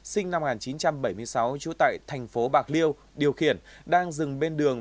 sinh năm một nghìn chín trăm bảy mươi sáu trú tại thành phố bạc liêu điều khiển đang dừng bên đường